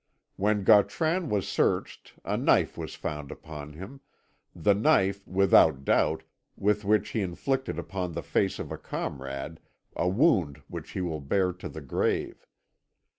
"When Gautran was searched a knife was found upon him the knife, without doubt, with which he inflicted upon the face of a comrade a wound which he will bear to the grave.